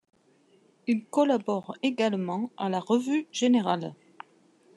Il collabore également à la Revue générale.